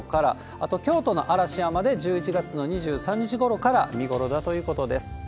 あと京都の嵐山で１１月の２３日ごろから見頃だということです。